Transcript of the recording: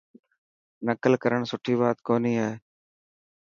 نڪل ڪرڻ سٺي بات ڪوني هي.